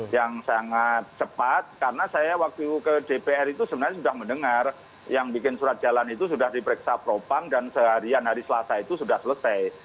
yang sangat cepat karena saya waktu ke dpr itu sebenarnya sudah mendengar yang bikin surat jalan itu sudah diperiksa propang dan seharian hari selasa itu sudah selesai